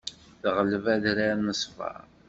Teɣleb adrar n ṣṣber.